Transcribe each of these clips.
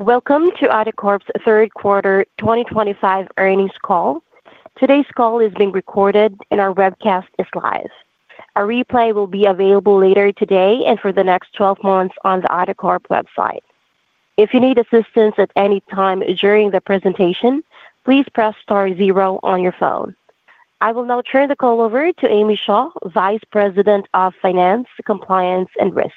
Welcome to IDACORP's third-quarter 2025 earnings call. Today's call is being recorded, and our webcast is live. A replay will be available later today and for the next 12 months on the IDACORP website. If you need assistance at any time during the presentation, please press star zero on your phone. I will now turn the call over to Amy Shaw, Vice President of Finance, Compliance, and Risk.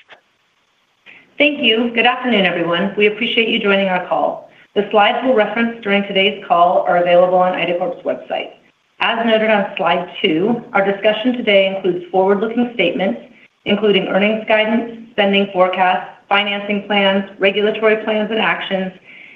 Thank you. Good afternoon, everyone. We appreciate you joining our call. The slides we'll reference during today's call are available on IDACORP's website. As noted on slide two, our discussion today includes forward-looking statements including earnings guidance, spending forecasts, financing plans, regulatory plans and actions,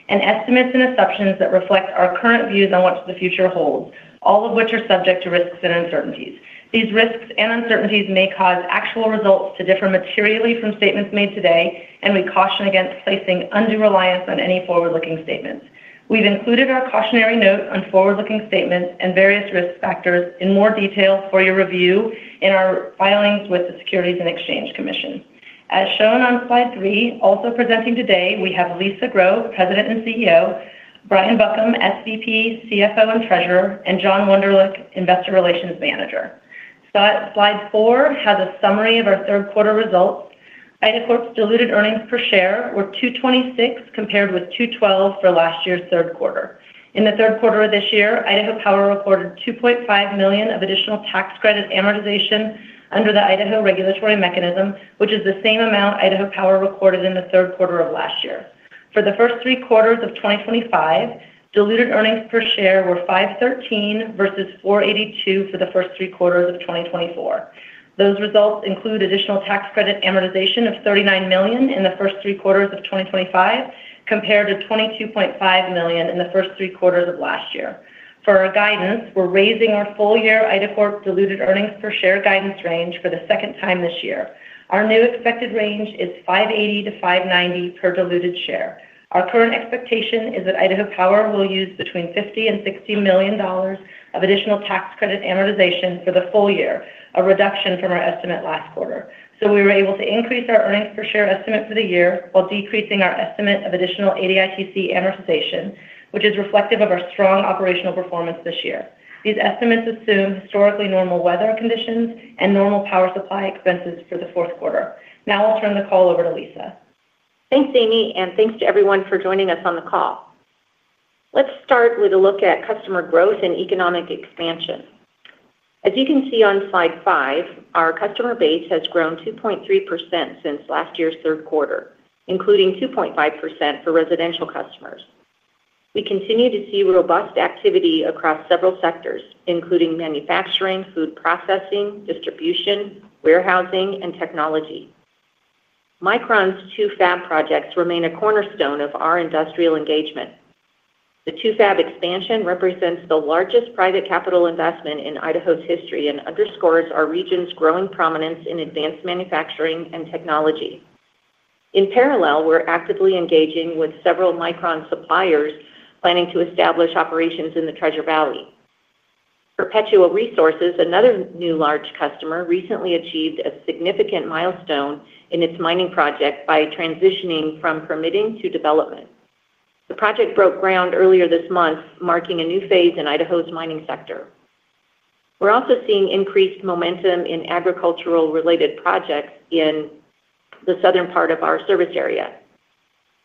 and estimates and assumptions that reflect our current views on what the future holds, all of which are subject to risks and uncertainties. These risks and uncertainties may cause actual results to differ materially from statements made today, and we caution against placing undue reliance on any forward-looking statements. We've included our cautionary note on forward-looking statements and various risk factors in more detail for your review in our filings with the Securities and Exchange Commission. As shown on slide three, also presenting today, we have Lisa Grow, President and Chief Executive Officer; Brian Buckham, Senior Vice President, Chief Financial Officer, and Treasurer; and John Wunderlich, Investor Relations Manager. Slide four has a summary of our third-quarter results. IDACORP's diluted earnings per share were $2.26 compared with $2.12 for last year's third quarter. In the third quarter of this year, Idaho Power reported $2.5 million of additional tax credit amortization under the Idaho regulatory mechanism, which is the same amount Idaho Power recorded in the third quarter of last year. For the first three quarters of 2025, diluted earnings per share were $5.13 versus $4.82 for the first three quarters of 2024. Those results include additional tax credit amortization of $39 million in the first three quarters of 2025 compared to $22.5 million in the first three quarters of last year. For our guidance, we're raising our full-year IDACORP diluted earnings per share guidance range for the second time this year. Our new expected range is $5.80 to $5.90 per diluted share. Our current expectation is that Idaho Power will use between $50 million and $60 million of additional tax credit amortization for the full year, a reduction from our estimate last quarter. We were able to increase our earnings per share estimate for the year while decreasing our estimate of additional ADITC amortization, which is reflective of our strong operational performance this year. These estimates assume historically normal weather conditions and normal power supply expenses for the fourth quarter. Now I'll turn the call over to Lisa. Thanks, Amy, and thanks to everyone for joining us on the call. Let's start with a look at customer growth and economic expansion. As you can see on Slide five, our customer base has grown 2.3% since last year's third quarter, including 2.5% for residential customers. We continue to see robust activity across several sectors, including manufacturing, food processing, distribution, warehousing, and technology. Micron's two fab projects remain a cornerstone of our industrial engagement. The two fab expansion represents the largest private capital investment in Idaho's history and underscores our region's growing prominence in advanced manufacturing and technology. In parallel, we're actively engaging with several Micron suppliers planning to establish operations in the Treasure Valley. Perpetua Resources, another new large customer, recently achieved a significant milestone in its mining project by transitioning from permitting to development. The project broke ground earlier this month, marking a new phase in Idaho's mining sector. We're also seeing increased momentum in agricultural-related projects in the southern part of our service area.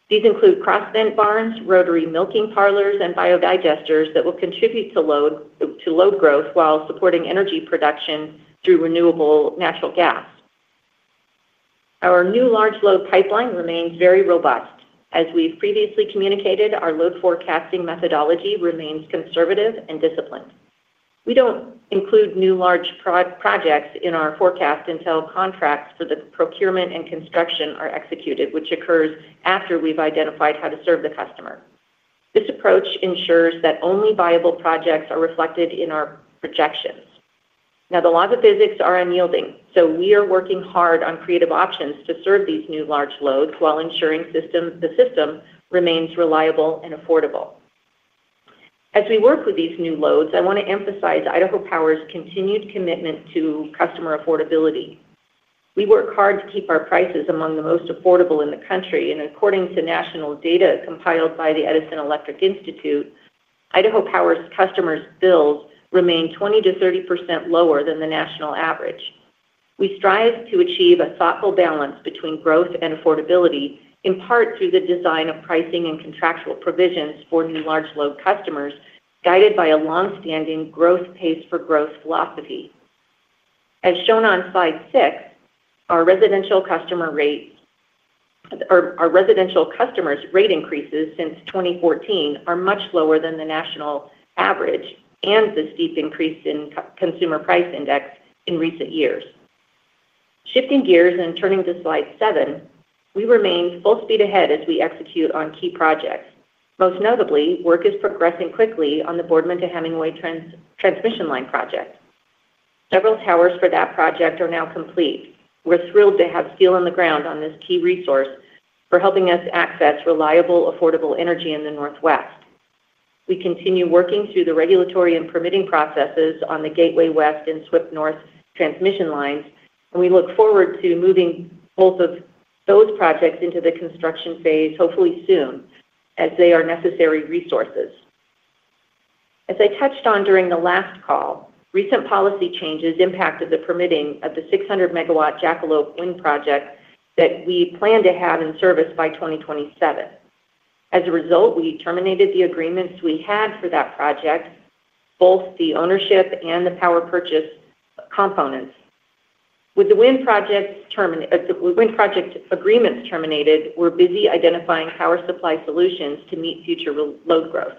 These include cross vent barns, rotary milking parlors, and biodigesters that will contribute to load growth while supporting energy production through renewable natural gas. Our new large load pipeline remains very robust. As we've previously communicated, our load forecasting methodology remains conservative and disciplined. We don't include new large projects in our forecast until contracts for the procurement and construction are executed, which occurs after we've identified how to serve the customer. This approach ensures that only viable projects are reflected in our projections. Now, the laws of physics are unyielding, so we are working hard on creative options to serve these new large loads while ensuring the system remains reliable and affordable. As we work with these new loads, I want to emphasize Idaho Power's continued commitment to customer affordability. We work hard to keep our prices among the most affordable in the country, and according to national data compiled by the Edison Electric Institute, Idaho Power's customers' bills remain 20% to 30% lower than the national average. We strive to achieve a thoughtful balance between growth and affordability, in part through the design of pricing and contractual provisions for new large load customers, guided by a longstanding growth pays for growth philosophy. As shown on Slide six, our residential customers' rate increases since 2014 are much lower than the national average and the steep increase in consumer price index in recent years. Shifting gears and turning to slide seven, we remain full speed ahead as we execute on key projects. Most notably, work is progressing quickly on the Boardman to Hemingway transmission line project. Several towers for that project are now complete. We're thrilled to have steel in the ground on this key resource for helping us access reliable, affordable energy in the Northwest. We continue working through the regulatory and permitting processes on the Gateway West and Swift North transmission lines, and we look forward to moving both of those projects into the construction phase, hopefully soon, as they are necessary resources. As I touched on during the last call, recent policy changes impacted the permitting of the 600 MW Jackalope Wind Project that we plan to have in service by 2027. As a result, we terminated the agreements we had for that project, both the ownership and the power purchase components. With the wind project agreements terminated, we're busy identifying power supply solutions to meet future load growth.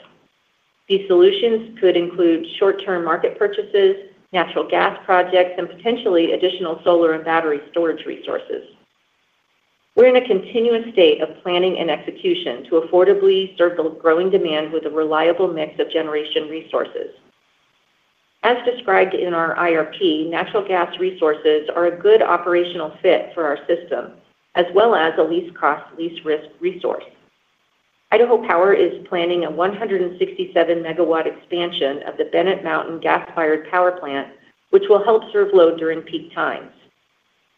These solutions could include short-term market purchases, natural gas projects, and potentially additional solar and battery storage resources. We're in a continuous state of planning and execution to affordably serve the growing demand with a reliable mix of generation resources. As described in our IRP, natural gas resources are a good operational fit for our system, as well as a least cost, least risk resource. Idaho Power is planning a 167 MW expansion of the Bennett Mountain gas-fired power plant, which will help serve load during peak times.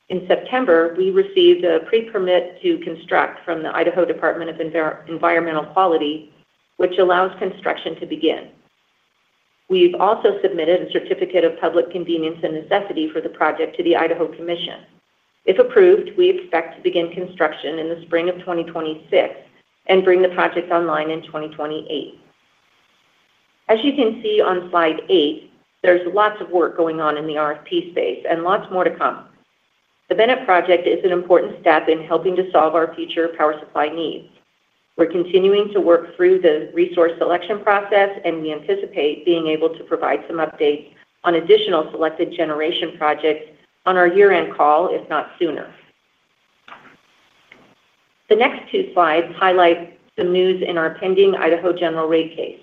In September, we received a pre-permit to construct from the Idaho Department of Environmental Quality, which allows construction to begin. We've also submitted a certificate of public convenience and necessity for the project to the Idaho Commission. If approved, we expect to begin construction in the spring of 2026 and bring the project online in 2028. As you can see on slide eight, there's lots of work going on in the RFP space and lots more to come. The Bennett project is an important step in helping to solve our future power supply needs. We're continuing to work through the resource selection process, and we anticipate being able to provide some updates on additional selected generation projects on our year-end call, if not sooner. The next two slides highlight some news in our pending Idaho general rate case.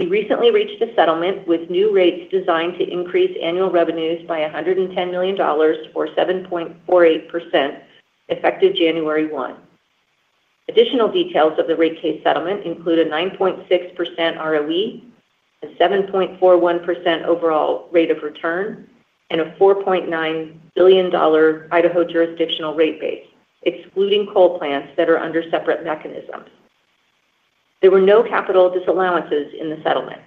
We recently reached a settlement with new rates designed to increase annual revenues by $110 million, or 7.48%, effective January 1. Additional details of the rate case settlement include a 9.6% ROE, a 7.41% overall rate of return, and a $4.9 billion Idaho jurisdictional rate base, excluding coal plants that are under separate mechanisms. There were no capital disallowances in the settlement.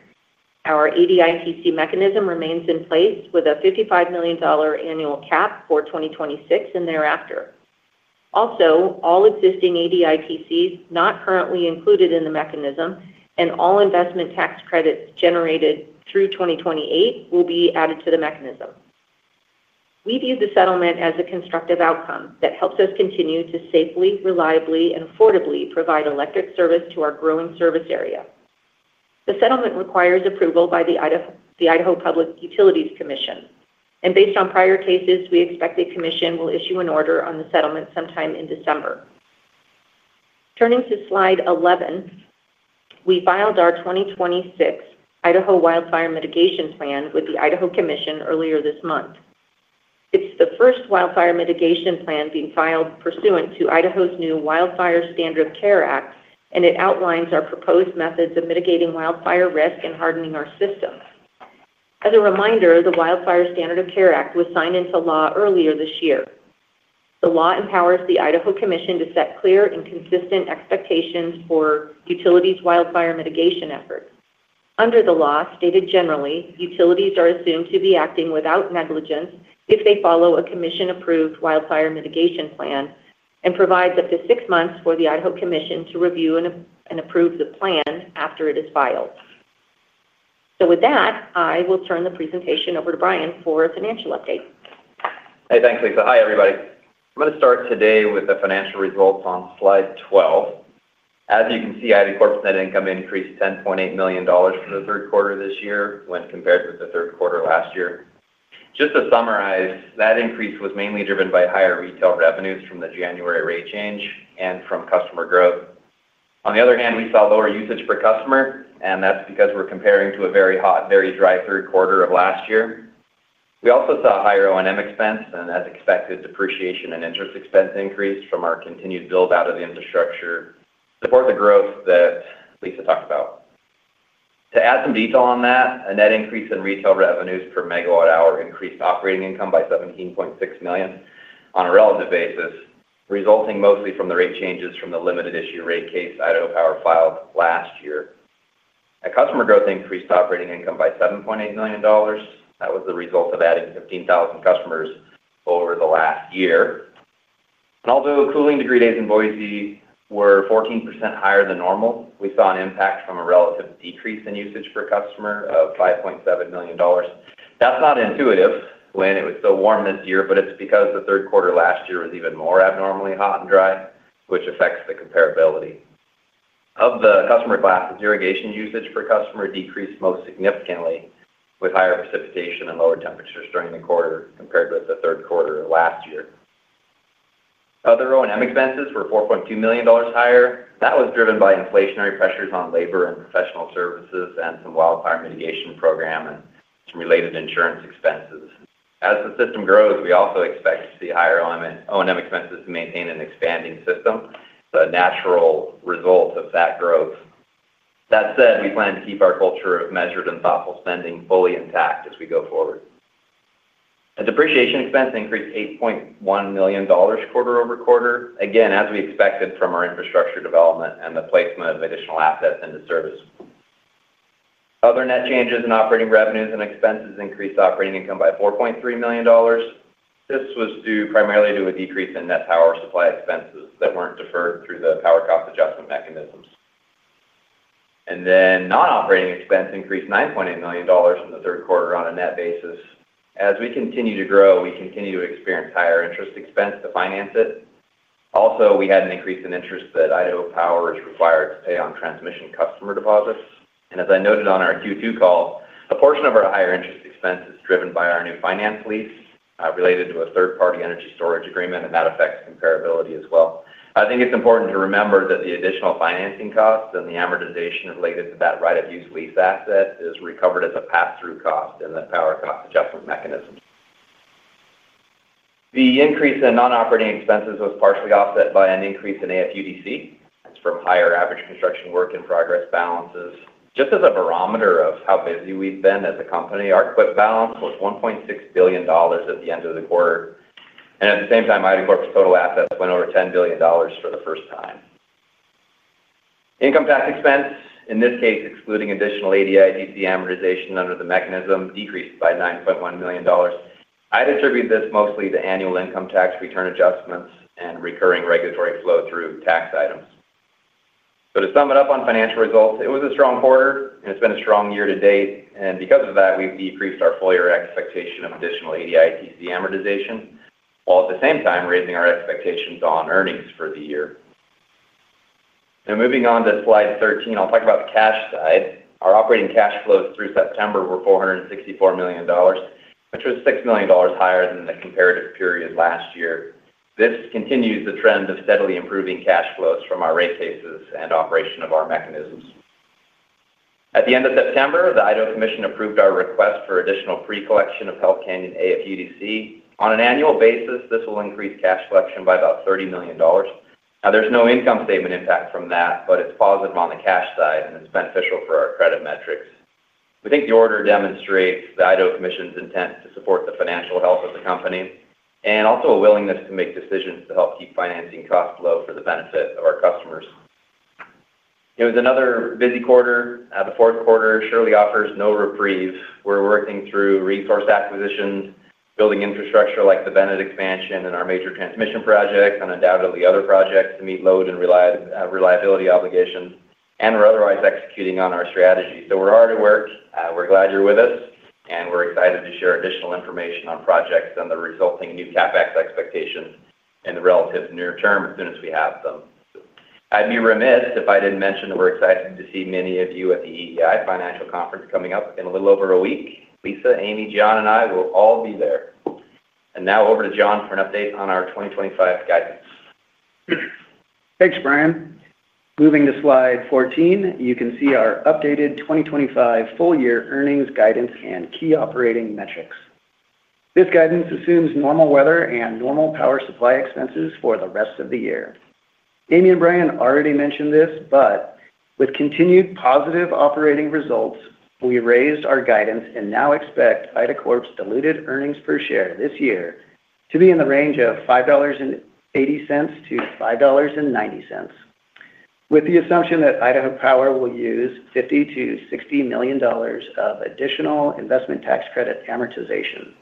Our ADITC mechanism remains in place with a $55 million annual cap for 2026 and thereafter. Also, all existing ADITCs not currently included in the mechanism and all investment tax credits generated through 2028 will be added to the mechanism. We view the settlement as a constructive outcome that helps us continue to safely, reliably, and affordably provide electric service to our growing service area. The settlement requires approval by the Idaho Public Utilities Commission, and based on prior cases, we expect the commission will issue an order on the settlement sometime in December. Turning to Slide 11. We filed our 2026 Idaho Wildfire Mitigation Plan with the Idaho Commission earlier this month. It's the first Wildfire Mitigation Plan being filed pursuant to Idaho's new Wildfire Standard of Care Act, and it outlines our proposed methods of mitigating wildfire risk and hardening our system. As a reminder, the Wildfire Standard of Care Act was signed into law earlier this year. The law empowers the Idaho Commission to set clear and consistent expectations for utilities' wildfire mitigation efforts. Under the law, stated generally, utilities are assumed to be acting without negligence if they follow a commission-approved Wildfire Mitigation Plan and provide up to six months for the Idaho Commission to review and approve the plan after it is filed. With that, I will turn the presentation over to Brian for a financial update. Hey, thanks, Lisa. Hi, everybody. I'm going to start today with the financial results on Slide 12. As you can see, IDACORP's net income increased $10.8 million for the third quarter this year when compared with the third quarter last year. Just to summarize, that increase was mainly driven by higher retail revenues from the January rate change and from customer growth. On the other hand, we saw lower usage per customer, and that's because we're comparing to a very hot, very dry third quarter of last year. We also saw higher O&M expense and, as expected, depreciation and interest expense increase from our continued build-out of the infrastructure to support the growth that Lisa talked about. To add some detail on that, a net increase in retail revenues per megawatt hour increased operating income by $17.6 million on a relative basis, resulting mostly from the rate changes from the limited issue rate case Idaho Power filed last year. Customer growth increased operating income by $7.8 million. That was the result of adding 15,000 customers over the last year. Although cooling degree days in Boise were 14% higher than normal, we saw an impact from a relative decrease in usage per customer of $5.7 million. That's not intuitive when it was so warm this year, but it's because the third quarter last year was even more abnormally hot and dry, which affects the comparability. Of the customer classes, irrigation usage per customer decreased most significantly with higher precipitation and lower temperatures during the quarter compared with the third quarter of last year. Other O&M expenses were $4.2 million higher. That was driven by inflationary pressures on labor and professional services and some wildfire mitigation program and some related insurance expenses. As the system grows, we also expect to see higher O&M expenses to maintain an expanding system, a natural result of that growth. That said, we plan to keep our culture of measured and thoughtful spending fully intact as we go forward. The depreciation expense increased $8.1 million quarter over quarter, again, as we expected from our infrastructure development and the placement of additional assets into service. Other net changes in operating revenues and expenses increased operating income by $4.3 million. This was due primarily to a decrease in net power supply expenses that weren't deferred through the power cost adjustment mechanisms. Non-operating expense increased $9.8 million in the third quarter on a net basis. As we continue to grow, we continue to experience higher interest expense to finance it. Also, we had an increase in interest that Idaho Power is required to pay on transmission customer deposits. As I noted on our Q2 call, a portion of our higher interest expense is driven by our new finance lease related to a third-party energy storage agreement, and that affects comparability as well. I think it's important to remember that the additional financing costs and the amortization related to that right-of-use lease asset is recovered as a pass-through cost in the power cost adjustment mechanism. The increase in non-operating expenses was partially offset by an increase in AFUDC from higher average construction work in progress balances. Just as a barometer of how busy we've been as a company, our CWIP balance was $1.6 billion at the end of the quarter. At the same time, IDACORP's total assets went over $10 billion for the first time. Income tax expense, in this case, excluding additional ADITC amortization under the mechanism, decreased by $9.1 million. I attribute this mostly to annual income tax return adjustments and recurring regulatory flow through tax items. To sum it up on financial results, it was a strong quarter, and it's been a strong year to date. Because of that, we've decreased our full year expectation of additional ADITC amortization, while at the same time raising our expectations on earnings for the year. Now, moving on to Slide 13, I'll talk about the cash side. Our operating cash flows through September were $464 million, which was $6 million higher than the comparative period last year. This continues the trend of steadily improving cash flows from our rate cases and operation of our mechanisms. At the end of September, the Idaho Commission approved our request for additional pre-collection of Hells Canyon AFUDC. On an annual basis, this will increase cash collection by about $30 million. There is no income statement impact from that, but it's positive on the cash side, and it's beneficial for our credit metrics. We think the order demonstrates the Idaho Commission's intent to support the financial health of the company and also a willingness to make decisions to help keep financing costs low for the benefit of our customers. It was another busy quarter. The fourth quarter surely offers no reprieve. We're working through resource acquisitions, building infrastructure like the Bennett Mountain gas-fired plant expansion and our major transmission project, and undoubtedly other projects to meet load and reliability obligations. We're otherwise executing on our strategy. We're hard at work. We're glad you're with us, and we're excited to share additional information on projects and the resulting new CapEx expectations in the relatively near term as soon as we have them. I'd be remiss if I didn't mention that we're excited to see many of you at the Edison Electric Institute Financial Conference coming up in a little over a week. Lisa, Amy, John, and I will all be there. Now over to John for an update on our 2025 guidance. Thanks, Brian. Moving to Slide 14, you can see our updated 2025 full year earnings guidance and key operating metrics. This guidance assumes normal weather and normal power supply expenses for the rest of the year. Amy and Brian already mentioned this, but with continued positive operating results, we raised our guidance and now expect IDACORP's diluted earnings per share this year to be in the range of $5.80 to $5.90, with the assumption that Idaho Power will use $50 million to $60 million of additional investment tax credit amortization.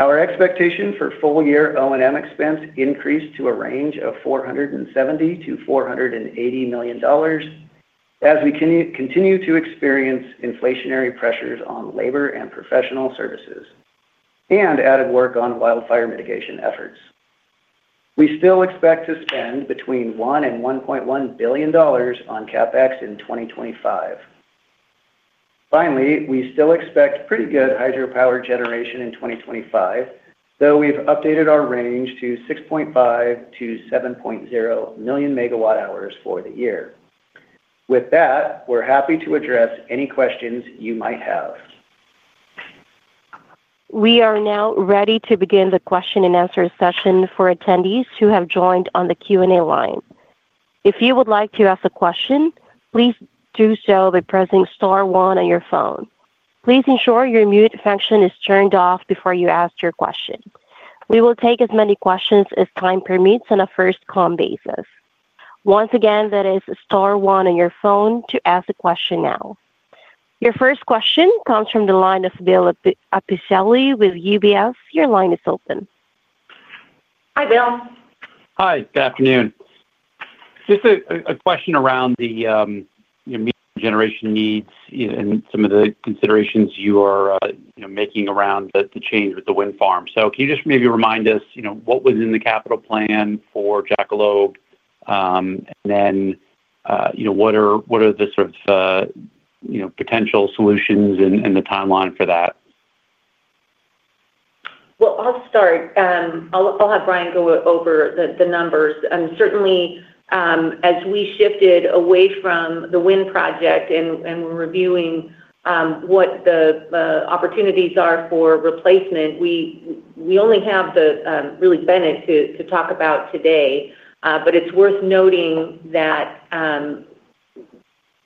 Our expectation for full year O&M expense increased to a range of $470 million to $480 million as we continue to experience inflationary pressures on labor and professional services and added work on wildfire mitigation efforts. We still expect to spend between $1 billion and $1.1 billion on CapEx in 2025. Finally, we still expect pretty good hydropower generation in 2025, though we've updated our range to 6.5 to 7.0 million MWh for the year. With that, we're happy to address any questions you might have. We are now ready to begin the question and answer session for attendees who have joined on the Q&A line. If you would like to ask a question, please do so by pressing star one on your phone. Please ensure your mute function is turned off before you ask your question. We will take as many questions as time permits on a first-come basis. Once again, that is star one on your phone to ask a question now. Your first question comes from the line of Bill Appicelli with UBS. Your line is open. Hi, Bill. Hi, good afternoon. Just a question around the generation needs and some of the considerations you are making around the change with the wind farm. Can you just maybe remind us what was in the capital plan for Jackalope, and then what are the sort of potential solutions and the timeline for that? I'll have Brian go over the numbers. Certainly, as we shifted away from the wind project and we're reviewing what the opportunities are for replacement, we only have the really Bennett to talk about today. It's worth noting that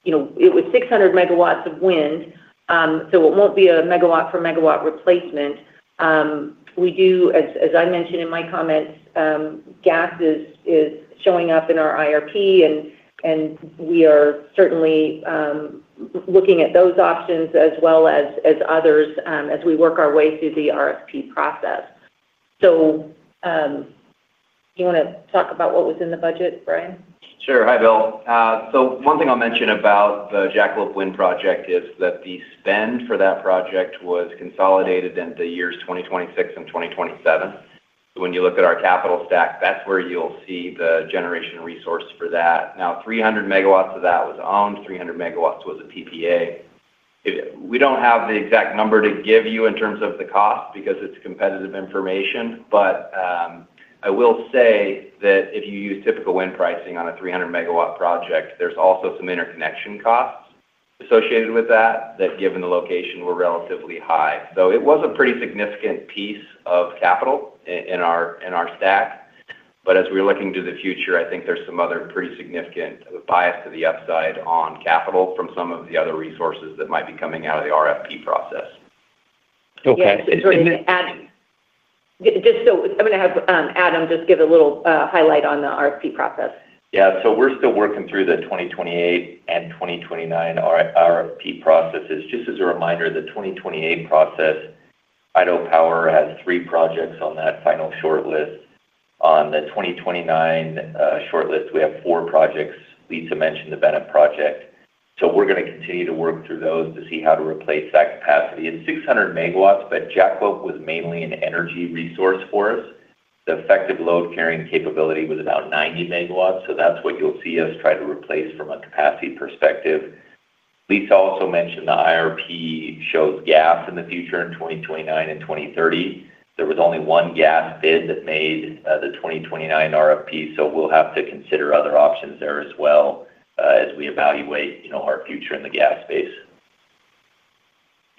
it was 600 MW of wind, so it won't be a megawatt-for-megawatt replacement. We do, as I mentioned in my comments, gas is showing up in our IRP, and we are certainly looking at those options as well as others as we work our way through the RFP process. Do you want to talk about what was in the budget, Brian? Sure. Hi, Bill. One thing I'll mention about the Jackalope Wind Project is that the spend for that project was consolidated into the years 2026 and 2027. When you look at our capital stack, that's where you'll see the generation resource for that. Now, 300 MW of that was owned, 300 MW was a PPA. We don't have the exact number to give you in terms of the cost because it's competitive information. I will say that if you use typical wind pricing on a 300 MW project, there's also some interconnection costs associated with that that, given the location, were relatively high. It was a pretty significant piece of capital in our stack. As we're looking to the future, I think there's some other pretty significant bias to the upside on capital from some of the other resources that might be coming out of the RFP process. Okay. And. Just so, I'm going to have Adam just give a little highlight on the RFP process. Yeah. We're still working through the 2028 and 2029 RFP processes. Just as a reminder, the 2028 process, Idaho Power has three projects on that final shortlist. On the 2029 shortlist, we have four projects. Lisa mentioned the Bennett project. We're going to continue to work through those to see how to replace that capacity. It's 600 MW, but Jackalope was mainly an energy resource for us. The effective load-carrying capability was about 90 MW, so that's what you'll see us try to replace from a capacity perspective. Lisa also mentioned the IRP shows gas in the future in 2029 and 2030. There was only one gas bid that made the 2029 RFP, so we'll have to consider other options there as well as we evaluate our future in the gas space.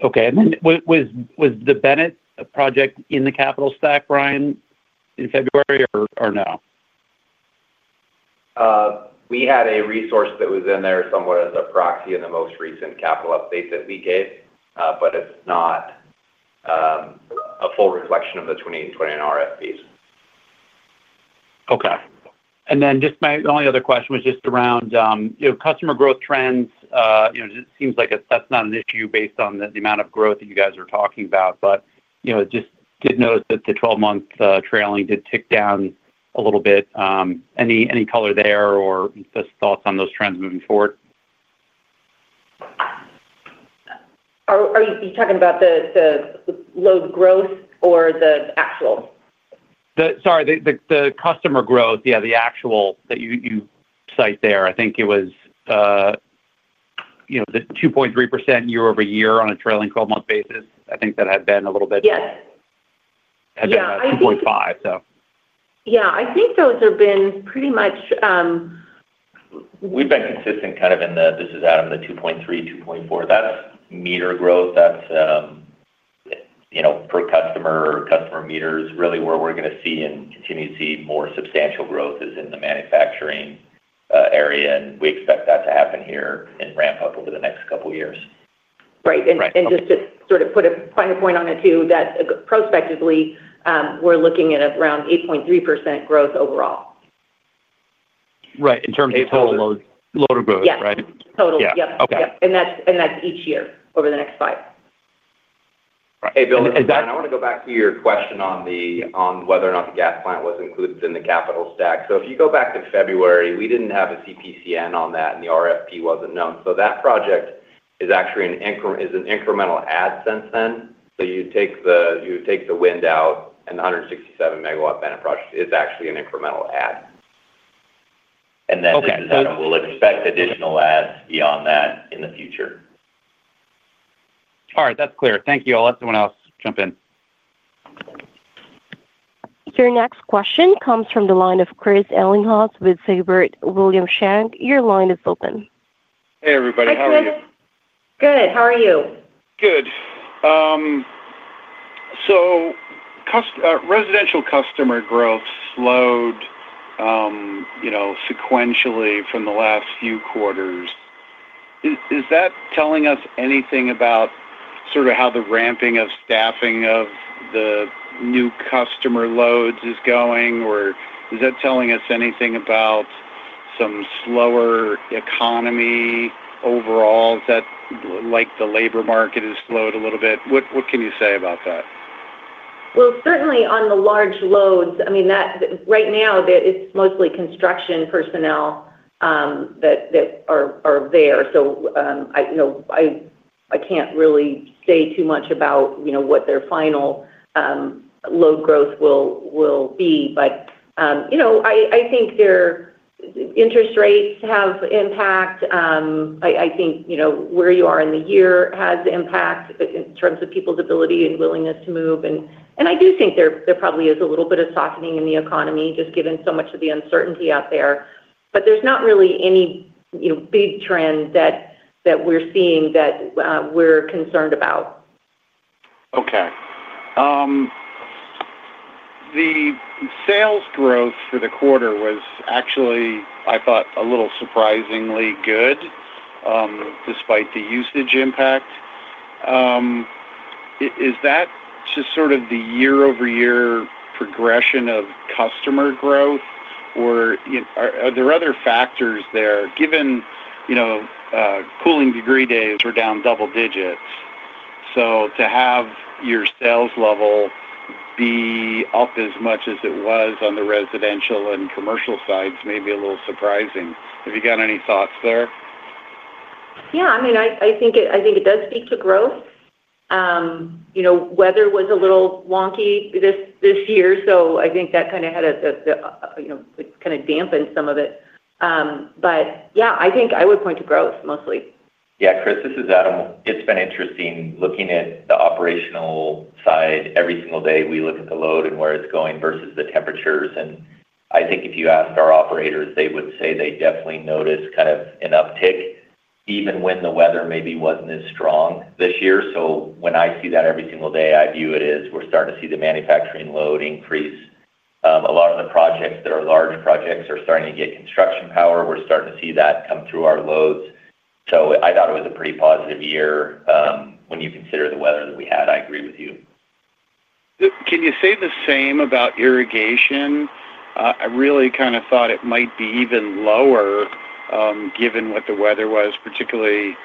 Okay. Was the Bennett project in the capital stack, Brian, in February or no? We had a resource that was in there somewhat as a proxy in the most recent capital update that we gave, but it's not a full reflection of the 2029 RFPs. Okay. My only other question was just around customer growth trends. It seems like that's not an issue based on the amount of growth that you guys are talking about, but I did notice that the 12-month trailing did tick down a little bit. Any color there or just thoughts on those trends moving forward? Are you talking about the load growth or the actual? Sorry, the customer growth, yeah, the actual that you cite there. I think it was the 2.3% year-over-year on a trailing 12-month basis. I think that had been a little bit. Yes. Had been about $2.5 million, so. Yeah, I think those have been pretty much. We've been consistent kind of in the, this is Adam, the 2.3, 2.4. That's meter growth. That's per customer meters. Really, where we're going to see and continue to see more substantial growth is in the manufacturing area, and we expect that to happen here and ramp up over the next couple of years. Right. Just to sort of put a finer point on it too, that prospectively, we're looking at around 8.3% growth overall. Right. In terms of total load growth, right? Yes. Total. Yep. Yep. That's each year over the next five. Hey, Bill, Brian, I want to go back to your question on whether or not the gas plant was included in the capital stack. If you go back to February, we didn't have a CPCN on that, and the RFP wasn't known. That project is actually an incremental add since then. You take the wind out, and the 167-MW Bennett project is actually an incremental add. Okay. Lisa, Adam will expect additional adds beyond that in the future. All right. That's clear. Thank you all. Let someone else jump in. Your next question comes from the line of Chris Ellinghaus with Siebert Williams Shank. Your line is open. Hey, everybody. Good. How are you? Good. Residential customer growth slowed sequentially from the last few quarters. Is that telling us anything about how the ramping of staffing of the new customer loads is going, or is that telling us anything about some slower economy overall? Is that like the labor market has slowed a little bit? What can you say about that? On the large loads, right now, it's mostly construction personnel that are there. I can't really say too much about what their final load growth will be. I think interest rates have impact. I think where you are in the year has impact in terms of people's ability and willingness to move. I do think there probably is a little bit of softening in the economy just given so much of the uncertainty out there. There's not really any big trend that we're seeing that we're concerned about. Okay. The sales growth for the quarter was actually, I thought, a little surprisingly good. Despite the usage impact, is that just sort of the year-over-year progression of customer growth, or are there other factors there? Given cooling degree days were down double digits, to have your sales level be up as much as it was on the residential and commercial sides may be a little surprising. Have you got any thoughts there? Yeah. I mean, I think it does speak to growth. Weather was a little wonky this year, so I think that kind of dampened some of it. Yeah, I think I would point to growth mostly. Yeah. Chris, this is Adam. It's been interesting looking at the operational side every single day. We look at the load and where it's going versus the temperatures. I think if you asked our operators, they would say they definitely noticed kind of an uptick even when the weather maybe wasn't as strong this year. When I see that every single day, I view it as we're starting to see the manufacturing load increase. A lot of the projects that are large projects are starting to get construction power. We're starting to see that come through our loads. I thought it was a pretty positive year when you consider the weather that we had. I agree with you. Can you say the same about irrigation? I really kind of thought it might be even lower, given what the weather was, particularly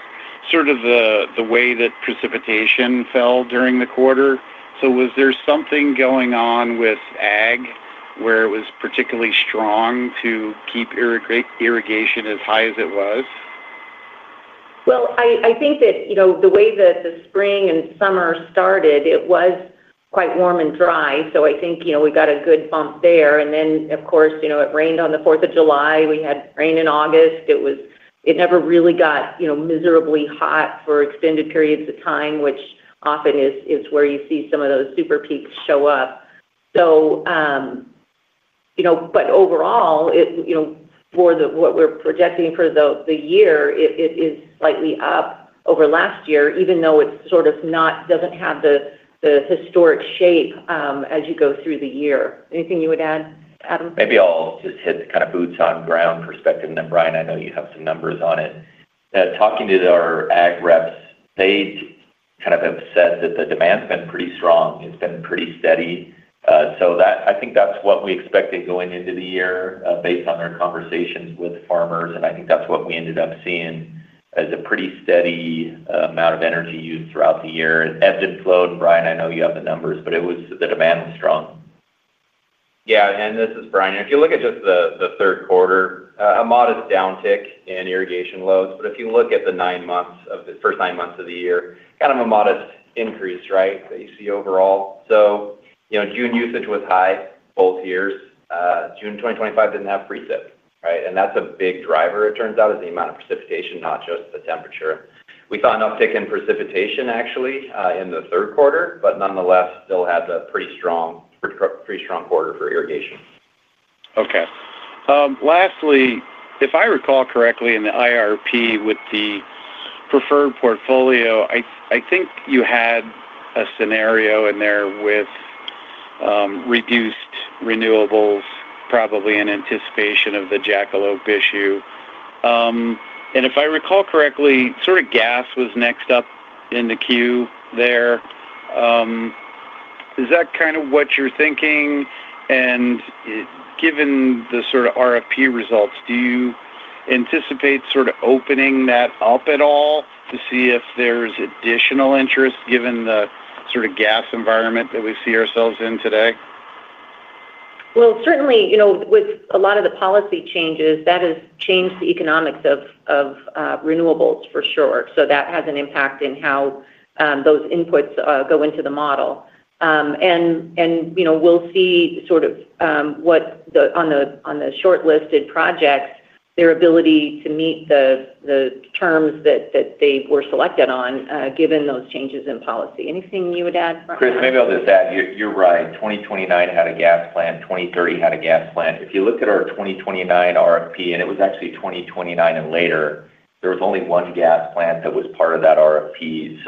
the way that precipitation fell during the quarter. Was there something going on with ag where it was particularly strong to keep irrigation as high as it was? I think that the way that the spring and summer started, it was quite warm and dry. I think we got a good bump there. Of course, it rained on the 4th of July. We had rain in August. It never really got miserably hot for extended periods of time, which often is where you see some of those super peaks show up. Overall, for what we're projecting for the year, it is slightly up over last year, even though it sort of doesn't have the historic shape as you go through the year. Anything you would add, Adam? Maybe I'll just hit kind of boots-on-ground perspective. Brian, I know you have some numbers on it. Talking to our ag reps, they kind of have said that the demand has been pretty strong. It's been pretty steady. I think that's what we expected going into the year based on our conversations with farmers. I think that's what we ended up seeing as a pretty steady amount of energy used throughout the year. [At this point] Brian, I know you have the numbers, but it was the demand was strong. Yeah. This is Brian. If you look at just the third quarter, a modest downtick in irrigation loads. If you look at the first nine months of the year, kind of a modest increase, right, that you see overall. June usage was high both years. June 2025 didn't have precip, right? That's a big driver, it turns out, is the amount of precipitation, not just the temperature. We saw an uptick in precipitation, actually, in the third quarter, but nonetheless, still had a pretty strong quarter for irrigation. Okay. Lastly, if I recall correctly, in the IRP with the preferred portfolio, I think you had a scenario in there with reduced renewables, probably in anticipation of the Jackalope issue. If I recall correctly, sort of gas was next up in the queue there. Is that kind of what you're thinking? Given the sort of RFP results, do you anticipate opening that up at all to see if there's additional interest given the sort of gas environment that we see ourselves in today? Certainly, with a lot of the policy changes, that has changed the economics of renewables for sure. That has an impact in how those inputs go into the model. We'll see sort of what on the shortlisted projects, their ability to meet the terms that they were selected on given those changes in policy. Anything you would add, Brian? Chris, maybe I'll just add you're right. 2029 had a gas plant. 2030 had a gas plant. If you look at our 2029 RFP, and it was actually 2029 and later, there was only one gas plant that was part of that RFP.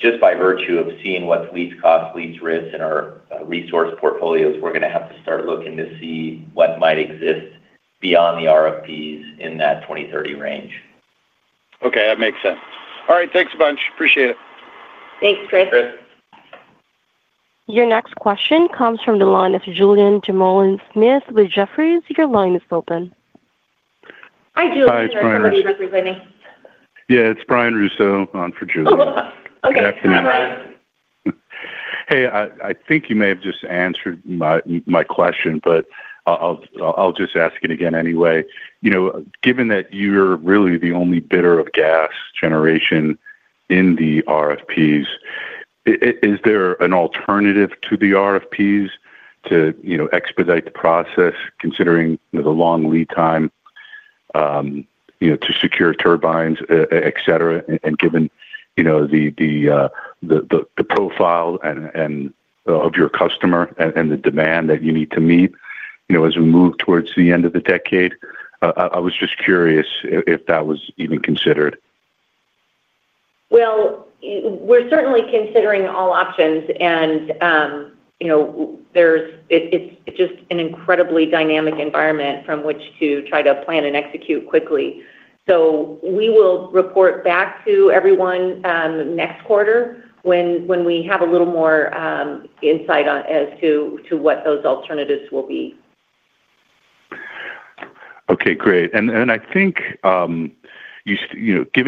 Just by virtue of seeing what's least cost, least risk in our resource portfolios, we're going to have to start looking to see what might exist beyond the RFPs in that 2030 range. Okay. That makes sense. All right, thanks a bunch. Appreciate it. Thanks, Chris. Thanks Chris. Your next question comes from the line of Julian Dumoulin-Smith with Jefferies. Your line is open. Hi, Julian. I'm Brian Russo representing. Yeah. It's Brian Russo on for Julian. Okay. Carry on. I think you may have just answered my question, but I'll just ask it again anyway. Given that you're really the only bidder of gas generation in the RFPs, is there an alternative to the RFPs to expedite the process, considering the long lead time to secure turbines, etc., and given the profile of your customer and the demand that you need to meet as we move towards the end of the decade? I was just curious if that was even considered. We are certainly considering all options. It's just an incredibly dynamic environment from which to try to plan and execute quickly. We will report back to everyone next quarter when we have a little more insight as to what those alternatives will be. Great. Given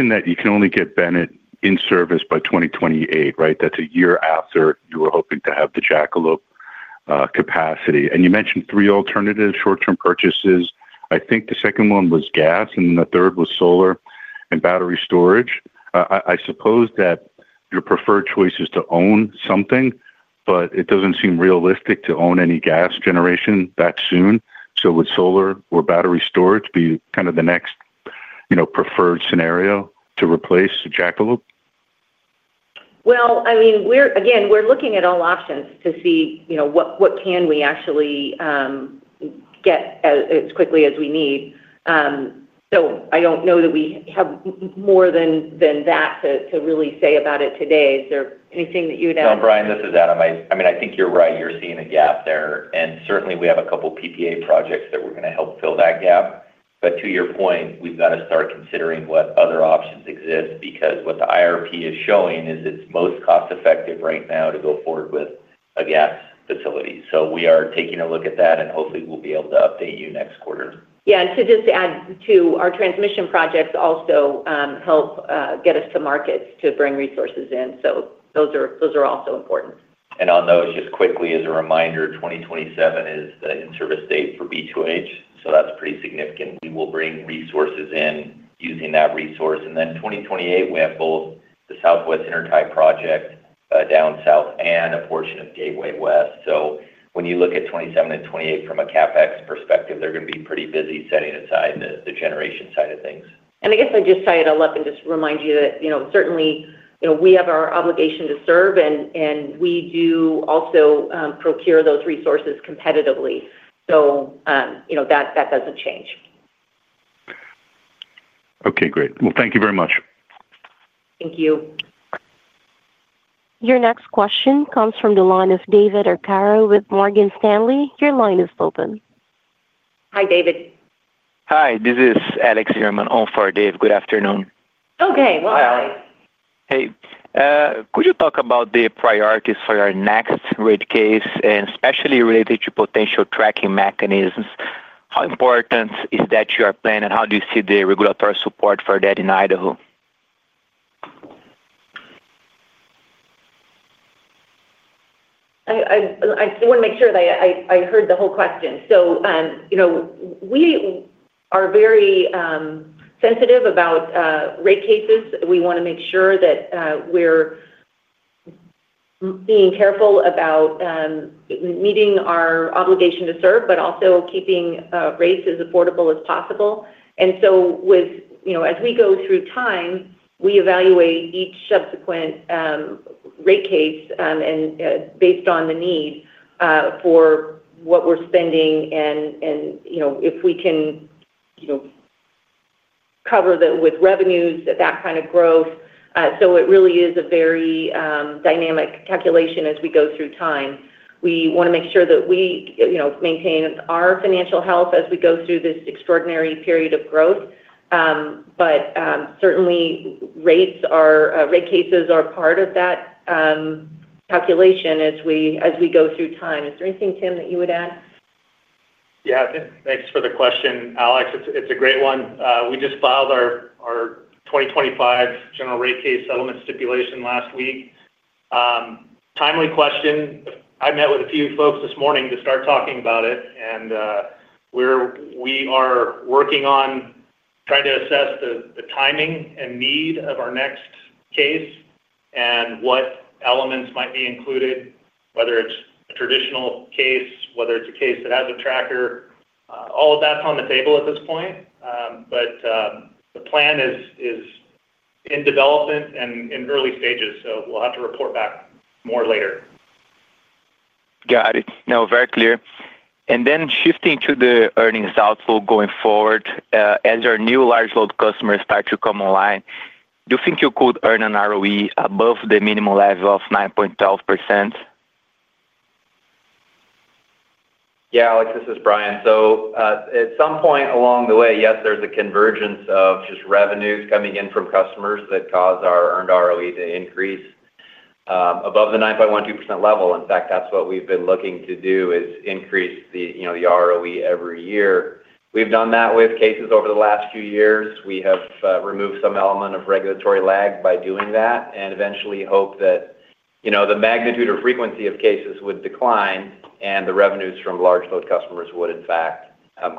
that you can only get Bennett in service by 2028, right? That's a year after you were hoping to have the Jackalope capacity. You mentioned three alternative short-term purchases. I think the second one was gas, and the third was solar and battery storage. I suppose that your preferred choice is to own something, but it doesn't seem realistic to own any gas generation that soon. Would solar or battery storage be kind of the next preferred scenario to replace Jackalope? I mean, again, we're looking at all options to see what can we actually get as quickly as we need. I don't know that we have more than that to really say about it today. Is there anything that you would add? No, Brian, this is Adam. I mean, I think you're right. You're seeing a gap there. Certainly, we have a couple of PPA projects that we're going to help fill that gap. To your point, we've got to start considering what other options exist because what the IRP is showing is it's most cost-effective right now to go forward with a gas facility. We are taking a look at that, and hopefully, we'll be able to update you next quarter. Transmission projects also help get us to markets to bring resources in. Those are also important. Just quickly as a reminder, 2027 is the in-service date. That's pretty significant. We will bring resources in using that resource. In 2028, we have both the Southwest Intertie Project down south and a portion of Gateway West. When you look at 2027 and 2028 from a CapEx perspective, they're going to be pretty busy, setting aside the generation side of things. I'll just tie it all up and remind you that certainly we have our obligation to serve, and we do also procure those resources competitively. That doesn't change. Okay. Great. Thank you very much. Thank you. Your next question comes from the line of David Arcaro with Morgan Stanley. Your line is open. Hi, David. Hi. This is Alex Mortimer here on for Dave. Good afternoon. Okay. Hi. Hi. Could you talk about the priorities for our next general rate case and especially related to potential tracking mechanisms? How important is that to your plan, and how do you see the regulatory support for that in Idaho? I want to make sure that I heard the whole question. We are very sensitive about rate cases. We want to make sure that we're being careful about meeting our obligation to serve, but also keeping rates as affordable as possible. As we go through time, we evaluate each subsequent rate case based on the need for what we're spending and if we can cover that with revenues, that kind of growth. It really is a very dynamic calculation as we go through time. We want to make sure that we maintain our financial health as we go through this extraordinary period of growth. Certainly, rate cases are part of that calculation as we go through time. Is there anything, Tim, that you would add? Yeah. Thanks for the question, Alex. It's a great one. We just filed our 2025 general rate case settlement stipulation last week. Timely question. I met with a few folks this morning to start talking about it. We are working on trying to assess the timing and need of our next case and what elements might be included, whether it's a traditional case, whether it's a case that has a tracker. All of that's on the table at this point. The plan is in development and in early stages. We'll have to report back more later. Got it. No, very clear. Shifting to the earnings outlook going forward, as our new large load customers start to come online, do you think you could earn an ROE above the minimum level of 9.12%? Yeah. Alex, this is Brian. At some point along the way, yes, there's a convergence of just revenues coming in from customers that cause our earned ROE to increase above the 9.12% level. In fact, that's what we've been looking to do is increase the ROE every year. We've done that with cases over the last few years. We have removed some element of regulatory lag by doing that and eventually hope that the magnitude or frequency of cases would decline and the revenues from large load customers would, in fact,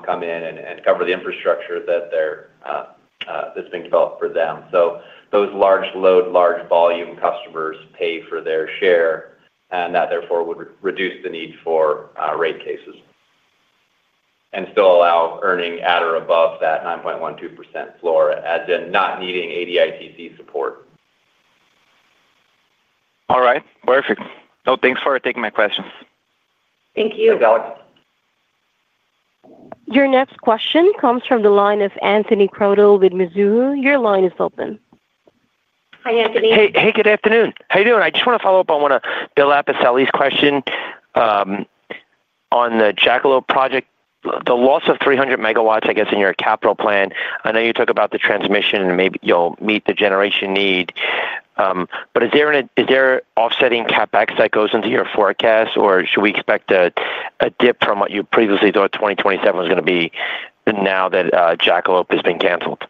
come in and cover the infrastructure that is being developed for them. Those large load, large volume customers pay for their share, and that therefore would reduce the need for rate cases and still allow earning at or above that 9.12% floor as in not needing ADITC support. All right. Perfect. Well, thanks for taking my questions. Thank you. Thanks, Alex. Your next question comes from the line of Anthony Crowdell with Mizuho. Your line is open. Hi, Anthony. Hey, good afternoon. How are you doing? I just want to follow up on what Bill Appicelli's question. On the Jackalope Project, the loss of 300 MW, I guess, in your capital plan. I know you talk about the transmission and maybe you'll meet the generation need. Is there an offsetting CapEx that goes into your forecast, or should we expect a dip from what you previously thought 2027 was going to be now that Jackalope has been canceled?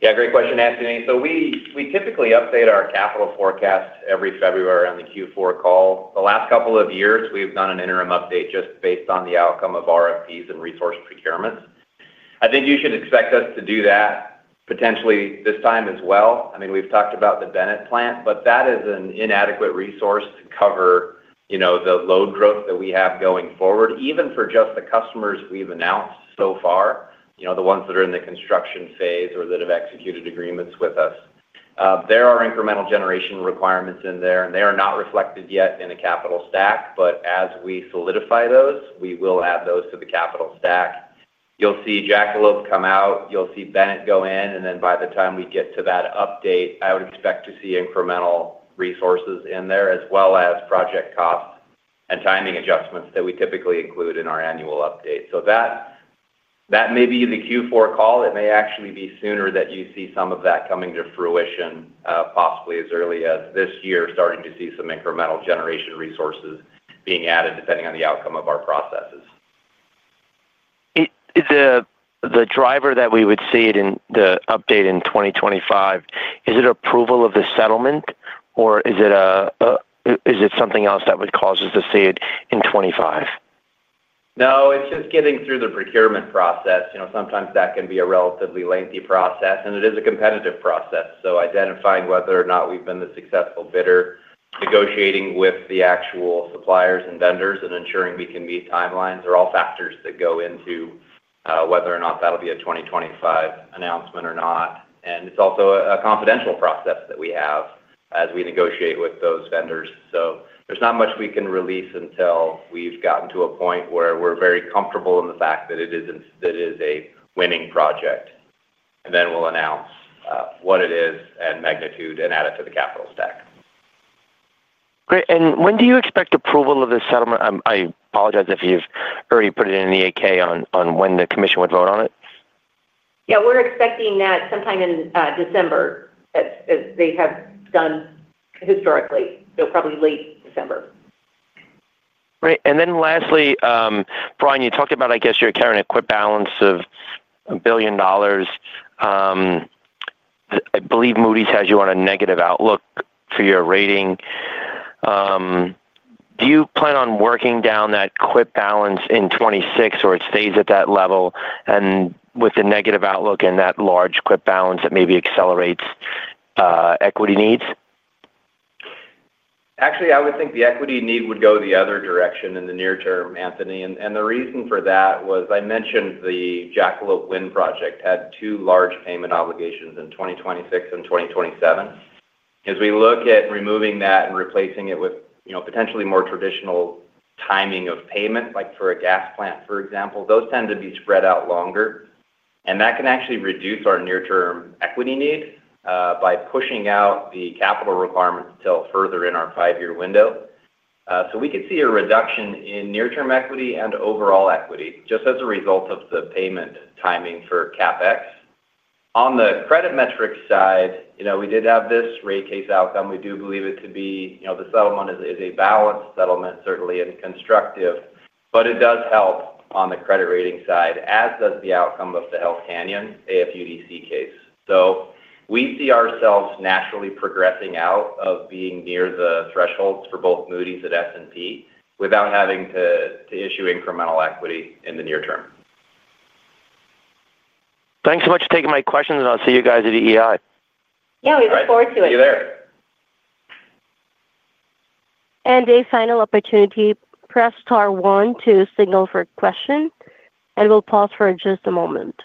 Great question, Anthony. We typically update our capital forecast every February on the Q4 call. The last couple of years, we've done an interim update just based on the outcome of RFPs and resource procurements. I think you should expect us to do that potentially this time as well. We've talked about the Bennett plant, but that is an inadequate resource to cover the load growth that we have going forward, even for just the customers we've announced so far, the ones that are in the construction phase or that have executed agreements with us. There are incremental generation requirements in there, and they are not reflected yet in a capital stack. As we solidify those, we will add those to the capital stack. You'll see Jackalope come out. You'll see Bennett go in. By the time we get to that update, I would expect to see incremental resources in there as well as project costs and timing adjustments that we typically include in our annual update. That may be the Q4 call. It may actually be sooner that you see some of that coming to fruition, possibly as early as this year, starting to see some incremental generation resources being added depending on the outcome of our processes. The driver that we would see it in the update in 2025, is it approval of the settlement, or is it something else that would cause us to see it in 2025? No, it's just getting through the procurement process. Sometimes that can be a relatively lengthy process, and it is a competitive process. Identifying whether or not we've been the successful bidder, negotiating with the actual suppliers and vendors, and ensuring we can meet timelines are all factors that go into whether or not that'll be a 2025 announcement. It's also a confidential process that we have as we negotiate with those vendors. There's not much we can release until we've gotten to a point where we're very comfortable in the fact that it is a winning project. Then we'll announce what it is and magnitude and add it to the capital stack. Great. When do you expect approval of the settlement? I apologize if you've already put it in the 8-K on when the commission would vote on it. Yeah, we're expecting that sometime in December, as they have done historically, so probably late December. Right. Lastly, Brian, you talked about, I guess, you're carrying a quick balance of $1 billion. I believe Moody's has you on a negative outlook for your rating. Do you plan on working down that quick balance in 2026, or it stays at that level with the negative outlook and that large quick balance that maybe accelerates equity needs? Actually, I would think the equity need would go the other direction in the near term, Anthony. The reason for that was I mentioned the Jackalope Wind Project had two large payment obligations in 2026 and 2027. As we look at removing that and replacing it with potentially more traditional timing of payment, like for a gas plant, for example, those tend to be spread out longer. That can actually reduce our near-term equity need by pushing out the capital requirements until further in our five-year window. We could see a reduction in near-term equity and overall equity just as a result of the payment timing for CapEx. On the credit metrics side, we did have this rate case outcome. We do believe the settlement is a balanced settlement, certainly and constructive, but it does help on the credit rating side, as does the outcome of the Hells Canyon AFUDC case. We see ourselves naturally progressing out of being near the thresholds for both Moody's and S&P without having to issue incremental equity in the near term. Thanks so much for taking my questions, and I'll see you guys at EEI. Yeah, we look forward to it. Thanks. See you there. A final opportunity, press star one to signal for a question, and we'll pause for just a moment.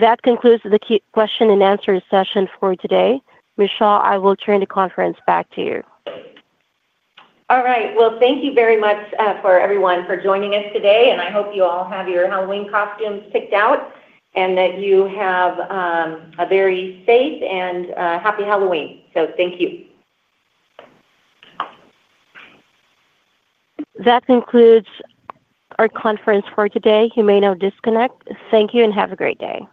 That concludes the question and answer session for today. Amy Shaw, I will turn the conference back to you. All right. Thank you very much for everyone for joining us today. I hope you all have your Halloween costumes picked out and that you have a very safe and happy Halloween. Thank you. That concludes our conference for today. You may now disconnect. Thank you and have a great day.